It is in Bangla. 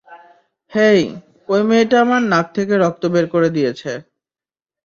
হেই, ঐ মেয়েটা আমার নাক থেকে রক্ত বের করে দিয়েছে।